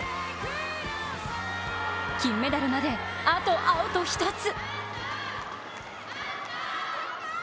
金メダルまであとアウト１つ。